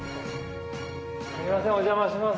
すいませんお邪魔します